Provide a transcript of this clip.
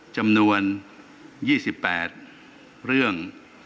จำนวน๒๘เรื่อง